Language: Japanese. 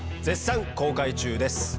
絶賛公開中です！